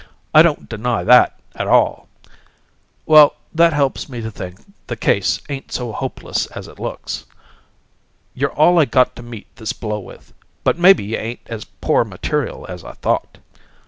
I don't deny that, at all. Well, that helps me to think the case ain't so hopeless as it looks. You're all I got to meet this blow with, but maybe you ain't as poor material as I thought.